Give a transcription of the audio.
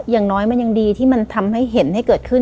อย่างน้อยมันยังดีที่มันทำให้เห็นให้เกิดขึ้น